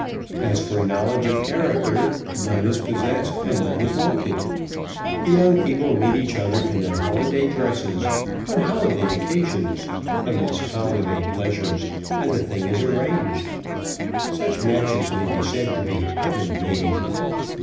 As for knowledge of character, none is possessed, and none is wanted. The young people meet each other in their holiday dresses, on holiday occasions, amidst holiday pleasures, and the thing is arranged. Such matches may be said to be heaven made.